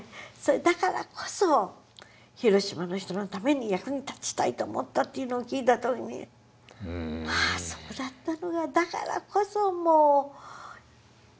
だからこそ広島の人のために役に立ちたいと思ったっていうのを聞いた時に「ああそうだったのか。だからこそ夜も寝ずに」。